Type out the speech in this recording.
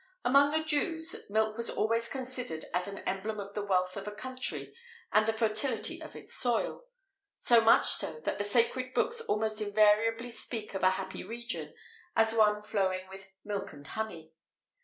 Among the Jews, milk was always considered as an emblem of the wealth of a country and the fertility of its soil; so much so, that the sacred books almost invariably speak of a happy region, as one "flowing with milk and honey."